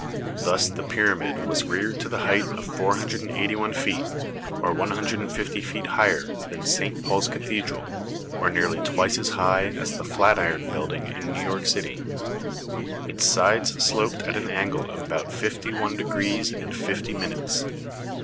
Thus the pyramid was reared to the height of 481 feet, or 150 feet higher than St. Paul's Cathe dral, or nearly twice as high as the Flatiron Building in New York City. Its sides sloped at an angle of about fifty one degrees and fifty minutes.